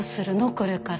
これから。